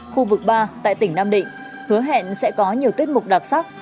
khu vực ba tại tỉnh nam định hứa hẹn sẽ có nhiều tiết mục đặc sắc